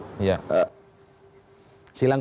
silang pendapat antara gubernur ahok dan ketua bpk ini